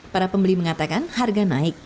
para pembeli mengatakan harga naik